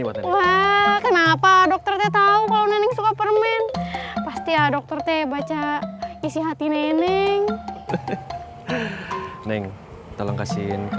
ini kenapa dokter tahu kalau suka permen pasti dokter teh baca isi hati neneng neng tolong kasihin ke